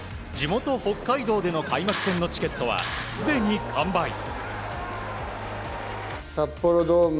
地元・北海道での開幕戦のチケットはすでに完売。